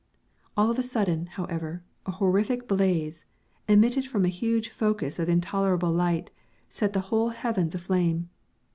All of a sudden, however, a horrific blaze, emitted from a huge focus of intolerable light, set the whole heavens aflame.